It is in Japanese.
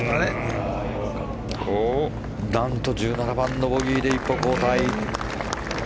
何と１７番ボギーで一歩後退。